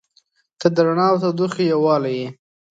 • ته د رڼا او تودوخې یووالی یې.